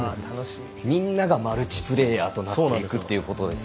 みんながマルチプレーヤーとなっていくということですよね。